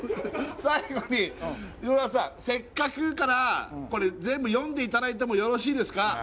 最後にはい下里さん「せっかく」からこれ全部読んでいただいてもよろしいですか？